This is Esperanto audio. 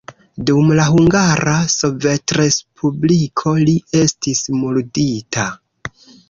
Dum la Hungara Sovetrespubliko li estis murdita.